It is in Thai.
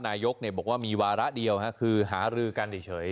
นายกบอกว่ามีวาระเดียวคือหารือกันเฉย